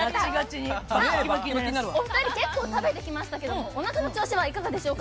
お二人結構食べてきましたけどおなかの調子はいかがでしょうか？